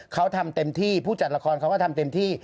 เขาทำเต็มที่ผู้จัดละครเขาก็ทำเต็มที่